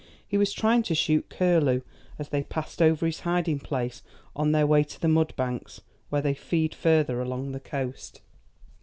He was trying to shoot curlew as they passed over his hiding place on their way to the mud banks where they feed further along the coast.